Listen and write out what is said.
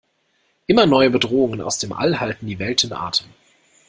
Immer neue Bedrohungen aus dem All halten die Welt in Atem.